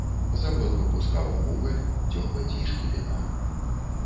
Завод выпускаў вугаль, дзёгаць і шкіпінар.